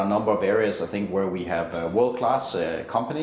tapi ada juga area seperti energi penyelenggaraan